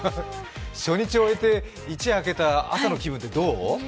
初日を終えて一夜明けた朝の気分ってどう？